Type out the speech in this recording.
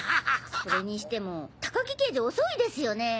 それにしても高木刑事遅いですよね。